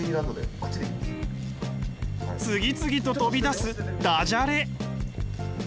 次々と飛び出すダジャレ。